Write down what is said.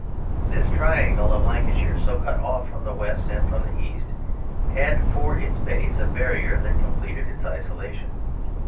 This triangle of Lancashire, so cut off from the west and from the east, had for its base a barrier that completed its isolation.